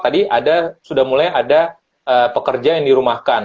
tadi ada sudah mulai ada pekerja yang dirumahkan